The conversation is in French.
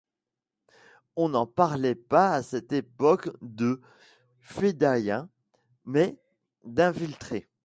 On ne parlait pas à cette époque de fedayin mais d'infiltrés.